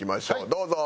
どうぞ！